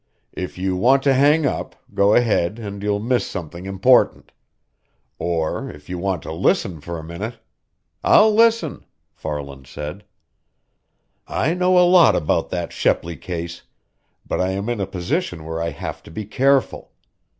If you want to hang up, go ahead and you'll miss something important. Or if you want to listen for a minute " "I'll listen!" Farland said. "I know a lot about that Shepley case, but I am in a position where I have to be careful.